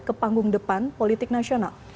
ke panggung depan politik nasional